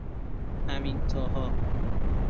امینطاها